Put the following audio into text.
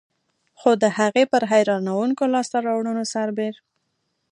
خو د هغې پر حیرانوونکو لاسته راوړنو سربېر.